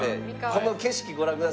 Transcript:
この景色ご覧ください。